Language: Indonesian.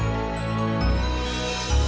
aku sudah awok callingnya tadi